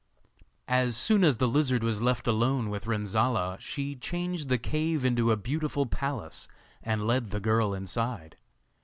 As soon as the lizard was left alone with Renzolla, she changed the cave into a beautiful palace, and led the girl inside.